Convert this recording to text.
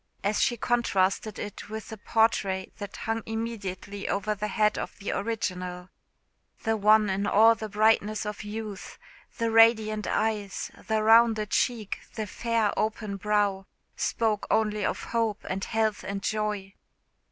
as she contrasted it with the portrait that hung immediately over the head of the original. The one in all the brightness of youth the radiant eyes, the rounded cheek, the fair open brow, spoke only of hope, and health, and joy.